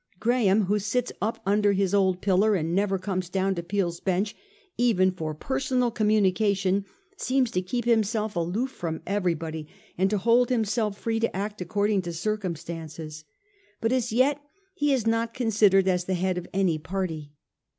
Graham, who sits •up under his old pillar, and never comes down to Peel's bench even for personal communication, seems to keep himself aloof from everybody, and to hold himself free to act according to circumstances; but as yet he is not considered as the head of any party.